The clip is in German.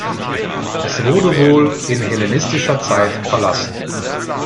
Es wurde wohl in hellenistischer Zeit verlassen.